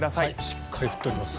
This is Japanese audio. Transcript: しっかり降っております。